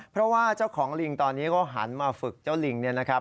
เพราะว่าเจ้าของลิงตอนนี้ก็หันมาฝึกเจ้าลิงเนี่ยนะครับ